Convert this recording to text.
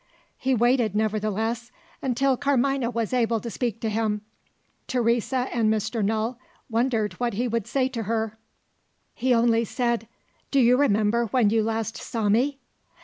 He waited, nevertheless, until Carmina was able to speak to him. Teresa and Mr. Null wondered what he would say to her. He only said, "Do you remember when you last saw me?"